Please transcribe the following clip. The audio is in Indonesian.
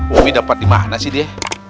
umi dapat dimana sih dia